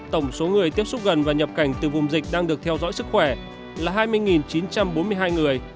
tổng số người tiếp xúc gần và nhập cảnh từ vùng dịch đang được theo dõi sức khỏe là hai mươi chín trăm bốn mươi hai người